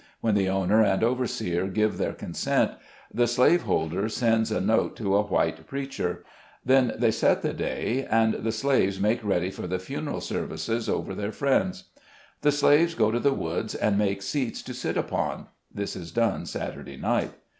When the owner and overseer give their consent, the slave holder sends a note to a white preacher ; then they set the day, and the slaves make ready for the funeral services over their friends. The slaves go to the woods, and make seats to sit upon (this is done Saturday night).